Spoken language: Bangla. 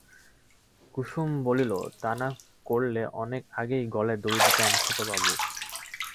কুসুম বলিল, তা না করলে অনেক আগেই গলায় দড়ি দিতাম ছোটবাবু।